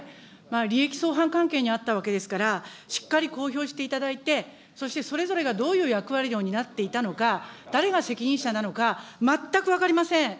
利益相反関係にあったわけですから、しっかり公表していただいて、そしてそれぞれがどういう役割を担っていたのか、誰が責任者なのか、全く分かりません。